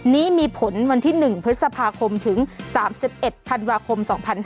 นี้มีผลวันที่๑พฤษภาคมถึง๓๑ธันวาคม๒๕๕๙